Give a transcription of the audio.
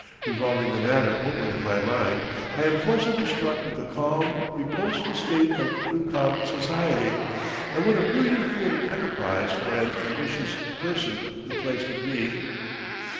Revolving the matter over in my mind, I am forcibly struck with the calm, reposeful state of Nukhab society; and what a brilliant field of enterprise for an ambitious person the place would be.